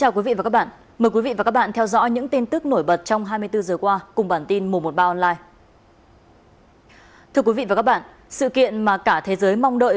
cảm ơn các bạn đã theo dõi